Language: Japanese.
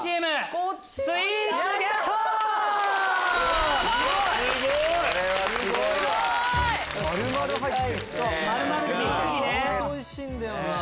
これおいしいんだよな。